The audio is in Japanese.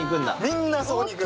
みんなあそこに行く。